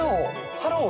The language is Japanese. ハロー？